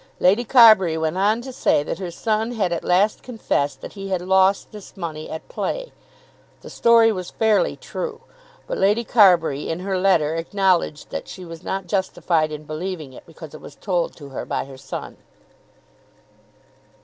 Lady Carbury went on to say that her son had at last confessed that he had lost this money at play. The story was fairly true; but Lady Carbury in her letter acknowledged that she was not justified in believing it because it was told to her by her son.